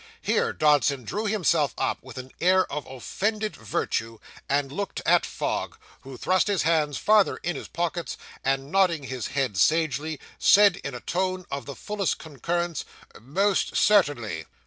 Here Dodson drew himself up, with an air of offended virtue, and looked at Fogg, who thrust his hands farther in his pockets, and nodding his head sagely, said, in a tone of the fullest concurrence, 'Most certainly.